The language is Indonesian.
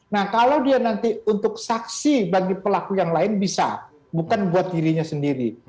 nah kalau dia nanti untuk saksi bagi pelaku yang lain bisa bukan buat dirinya sendiri